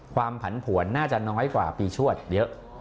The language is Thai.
ผันผวนน่าจะน้อยกว่าปีชวดเยอะ